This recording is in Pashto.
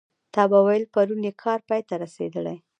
تا به ویل پرون یې کار پای ته رسېدلی.